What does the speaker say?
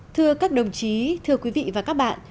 thưa các đồng chí thưa quý vị và các bạn